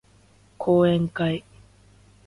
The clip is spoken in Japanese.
講演会